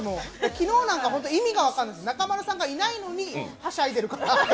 昨日なんか、本当に意味分かんない中丸さんがいないのにはしゃいでるから。